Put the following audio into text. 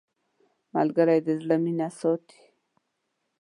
ملګری د زړه مینه ساتي